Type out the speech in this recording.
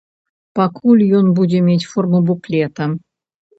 Пакуль ён будзе мець форму буклета.